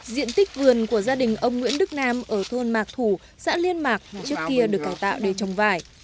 diện tích vườn của gia đình ông nguyễn đức nam ở thôn mạc thủ xã liên mạc trước kia được cải tạo để trồng vải